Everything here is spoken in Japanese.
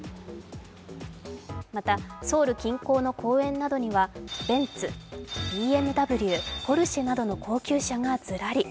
またソウル近郊の公園などにはベンツ、ＢＭＷ、ポルシェなどの高級車がズラリ。